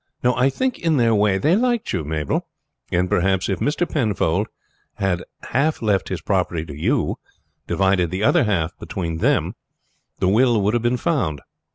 "No, I think in their way they liked you, Mabel; and perhaps if Mr. Penfold had half left his property to you, divided the other half between them the will would have been found.